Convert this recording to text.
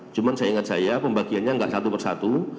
cuma seingat saya pembagiannya gak satu persatu